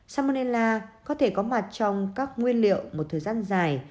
samonella có thể có mặt trong các nguyên liệu một thời gian dài